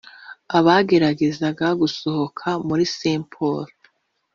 Abageragezaga gusohoka muri Saint Paul